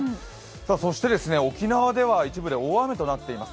そして沖縄では一部で大雨となっています。